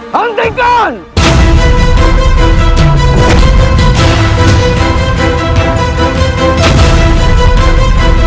kalian tidak berguna